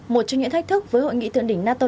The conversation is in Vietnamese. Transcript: một trong những thách thức với hội nghị thượng đỉnh nato